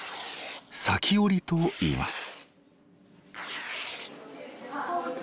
裂織といいます。